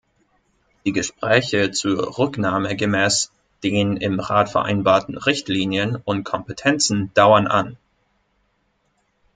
Die Gespräche zur Rücknahme gemäß den im Rat vereinbarten Richtlinien und Kompetenzen dauern an.